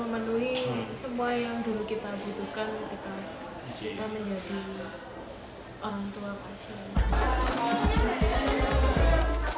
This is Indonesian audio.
memenuhi semua yang dulu kita butuhkan kita menjadi orang tua pasien